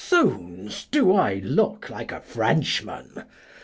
zoones, do I look like a Frenchman